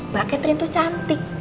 bakatrin tuh cantik